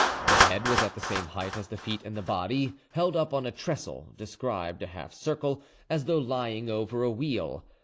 The head was at the same height as the feet, and the body, held up on a trestle, described a half curve, as though lying over a wheel.